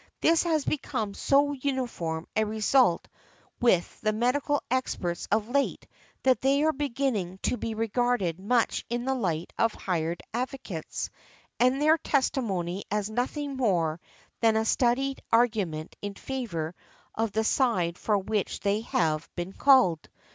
This has become so uniform a result with the medical experts of late that they are beginning to be regarded much in the light of hired advocates, and their testimony as nothing more than a studied argument in favor of the side for which they have been called.